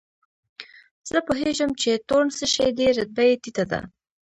زه پوهېږم چې تورن څه شی دی، رتبه یې ټیټه ده.